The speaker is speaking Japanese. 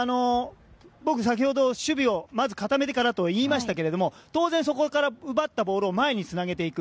僕、先ほど守備を固めてからと言いましたけど当然、そこから奪ったボールを前につなげていく。